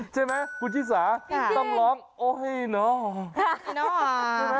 ใช่ไหมฟูจิสาต้องร้องโอ๊ยน่า